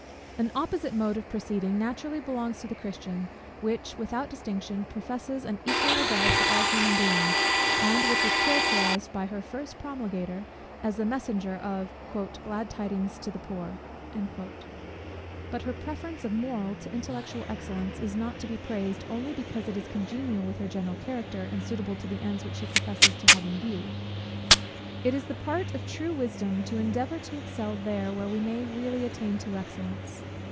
An opposite mode of proceeding naturally belongs to Christianity, which without distinction professes an equal regard for all human beings, and which was characterized by her first Promulgator as the messenger of "glad tidings to the poor." But her preference of moral to intellectual excellence is not to be praised, only because it is congenial with her general character, and suitable to the ends which she professes to have in view. It is the part of true wisdom to endeavour to excel there, where we may really attain to excellence.